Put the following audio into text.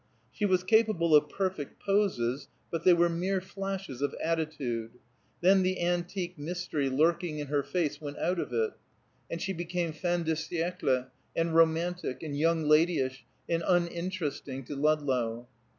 She was capable of perfect poses, but they were mere flashes of attitude. Then the antique mystery lurking in her face went out of it, and she became fin de siècle and romantic, and young ladyish, and uninteresting to Ludlow.